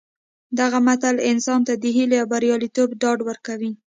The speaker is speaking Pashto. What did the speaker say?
دغه متل انسان ته د هیلې او بریالیتوب ډاډ ورکوي